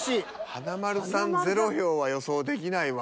華丸さんゼロ票は予想できないわ